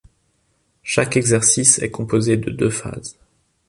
Chaque exercice est composé de deux phases.